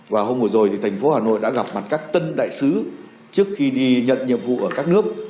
và hôm vừa rồi thì thành phố hà nội đã gặp mặt các tân đại sứ trước khi đi nhận nhiệm vụ ở các nước